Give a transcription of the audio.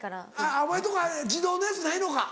お前のとこは自動のやつないのか。